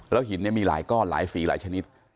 หินมีหลายก้อนหลายสีหลายชนิด